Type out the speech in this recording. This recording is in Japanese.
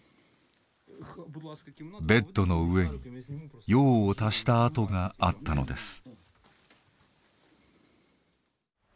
ベッドの上に用を足した跡があったのです。